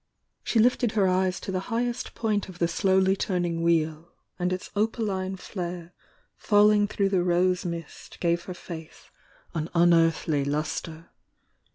She lifted her eyes to the highest point of the slowly turning wheel, and its opaline flare falling through the rose mist gave her face an unearthly lustre.